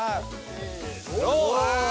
せの。